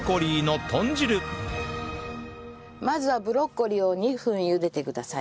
まずはブロッコリーを２分ゆでてください。